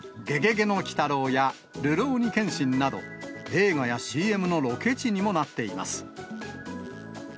ゲゲゲの鬼太郎や、るろうに剣心など、映画やＣＭのロケ地にもなっています。